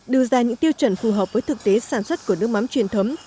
đưa ra những tiêu chuẩn phù hợp với thực tế sản xuất của nước mắm truyền thống